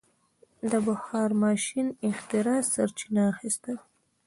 د بخار ماشین اختراع سرچینه اخیسته.